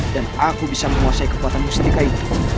dan aku bisa menguasai kekuatan mustika itu